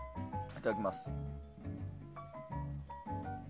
いただきます。